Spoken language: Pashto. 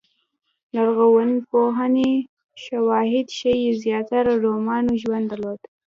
لرغونپوهنې شواهد ښيي زیاتره رومیانو ژوند درلود